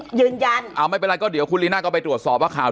เชิญยันไม่เป็นไรก็เดี๋ยวคุณมีนาฬิกาไปตรวจสอบว่าข่าว